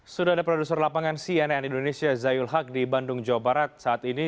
sudah ada produser lapangan cnn indonesia zayul haq di bandung jawa barat saat ini